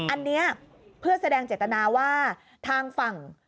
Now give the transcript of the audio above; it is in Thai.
อันนี้เพื่อแสดงเจตนาว่าทางฝั่ง